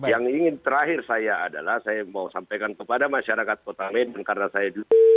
yang ingin terakhir saya adalah saya mau sampaikan kepada masyarakat kota medan karena saya dulu